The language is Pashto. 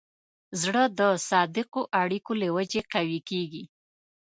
زړه د صادقو اړیکو له وجې قوي کېږي.